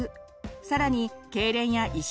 更にけいれんや意識